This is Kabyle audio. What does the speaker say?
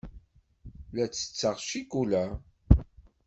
La ttetteɣ ccikula.